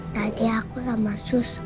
tadi aku sama sus